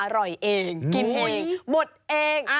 อร่อยเองกินเองหมดเอง